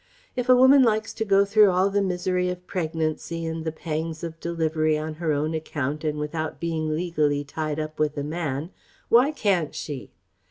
If a woman likes to go through all the misery of pregnancy and the pangs of delivery on her own account and without being legally tied up with a man, why can't she?